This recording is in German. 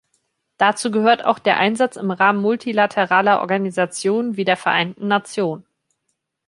Dazu gehört auch der Einsatz im Rahmen multilateraler Organisationen wie der Vereinten Nationen.